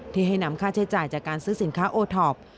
ที่ให้นำค่าใช้จ่ายจากการซื้อสินค้าโอท็อป